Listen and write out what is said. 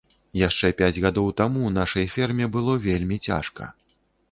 Яшчэ пяць гадоў таму нашай ферме было вельмі цяжка.